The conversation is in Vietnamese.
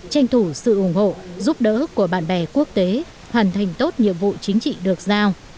tranh thủ sự ủng hộ giúp đỡ của bạn bè quốc tế hoàn thành tốt nhiệm vụ chính trị được giao